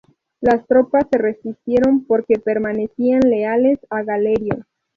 Las tropas se resistieron porque permanecían leales a Galerio.